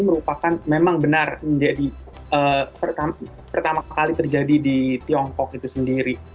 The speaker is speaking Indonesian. merupakan memang benar menjadi pertama kali terjadi di tiongkok itu sendiri